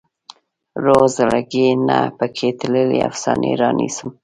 د روغ زړګي نه پکې تللې افسانې رانیسم